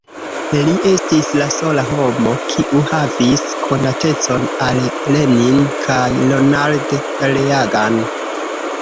Li estis la sola homo, kiu havis konatecon al Lenin kaj Ronald Reagan.